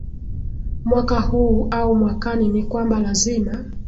mwaka huu au mwakani ni kwamba lazima